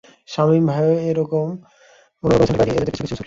শামীম ভাইও কোনো রকমে স্যান্ডেল পায়ে দিয়ে এজাজের পিছু পিছু ছুটলেন।